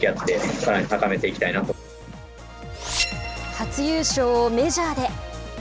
初優勝をメジャーで！